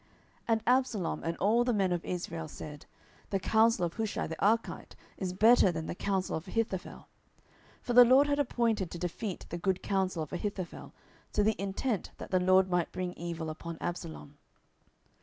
10:017:014 And Absalom and all the men of Israel said, The counsel of Hushai the Archite is better than the counsel of Ahithophel. For the LORD had appointed to defeat the good counsel of Ahithophel, to the intent that the LORD might bring evil upon Absalom.